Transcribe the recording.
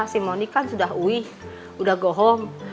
eta si moni kan sudah uih udah go home